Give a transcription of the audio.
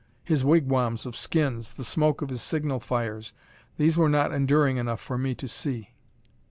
His wigwams of skins, the smoke of his signal fires these were not enduring enough for me to see....